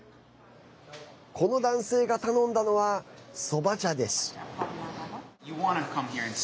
この男性が頼んだのはそば茶です。